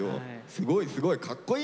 すごいすごいかっこいいね！